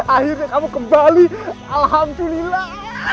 akhirnya kamu kembali alhamdulillah